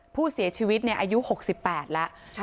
ผู้เสียชีวิตอายุ๖๘แล้ว